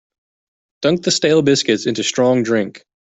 Dunk the stale biscuits into strong drink.